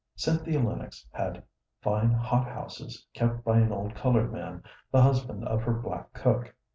Cynthia Lennox had fine hot houses kept by an old colored man, the husband of her black cook.